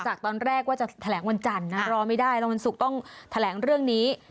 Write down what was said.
ตอนแรกว่าจะแถลงวันจันทร์นะรอไม่ได้แล้ววันศุกร์ต้องแถลงเรื่องนี้